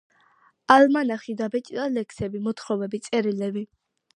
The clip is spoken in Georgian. ალმანახში დაბეჭდილია ლექსები, მოთხრობები, წერილები.